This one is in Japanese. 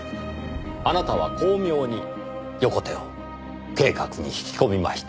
あなたは巧妙に横手を計画に引き込みました。